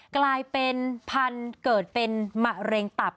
กลายเป็นพันธุ์เกิดเป็นมะเร็งตับ